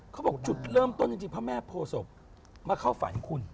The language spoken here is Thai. เขาบอกจุดเริ่มต้นจริงพระแม่โพศพมาเข้าฝันคุณ